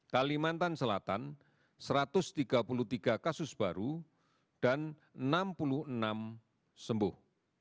kalimantan selatan satu ratus tiga puluh tiga kasus baru dan enam puluh enam sembuh